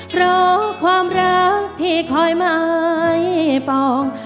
เพราะความรักที่คอยไม่ปอง